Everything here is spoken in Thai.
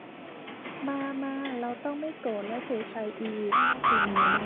มา มา เราต้องไม่โกรธและเฉไฉอีก